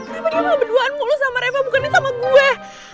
reva dia mah berduaan mulu sama reva bukannya sama gue